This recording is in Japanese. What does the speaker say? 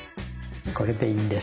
これでいいんです。